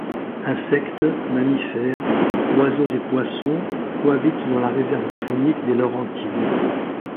Insectes, mammifères, oiseaux et poissons cohabitent dans la réserve faunique des Laurentides.